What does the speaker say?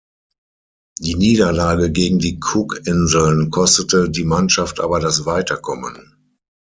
Die Niederlage gegen die Cookinseln kostete die Mannschaft aber das Weiterkommen.